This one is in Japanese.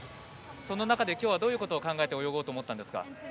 その中できょうはどんなことを考えて泳ごうと思ったんですか？